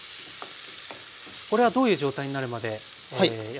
これはどういう状態になるまでやっていきますか？